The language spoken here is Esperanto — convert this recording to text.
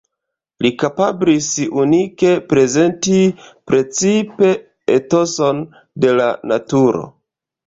Li kapablis unike prezenti precipe etoson de la naturo.